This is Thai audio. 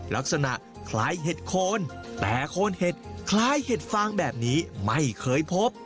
ลักษณะคล้ายเห็ดโคนแต่โคนเห็ดคล้ายเห็ดฟางแบบนี้ไม่เคยพบ